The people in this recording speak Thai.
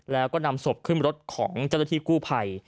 แล้วก็นำศพขึ้นรถของเจ้าหน้าที่กู้ภัย